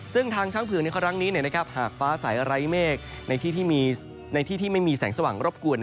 ซึ่งทางช้างเผือกในครั้งนี้หากฟ้าใสไร้เมฆในที่ที่มีในที่ที่ไม่มีแสงสว่างรบกวน